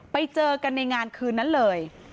ไปเจอกันในงานคืนนั้นเลย